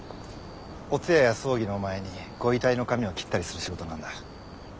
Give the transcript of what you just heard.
お通夜や葬儀の前にご遺体の髪を切ったりする仕事なんだ。